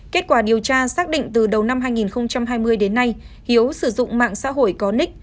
kết quả điều tra xác định từ đầu năm hai nghìn hai mươi đến nay hiếu sử dụng mạng xã hội có nick